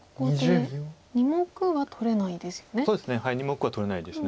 ２目は取れないです。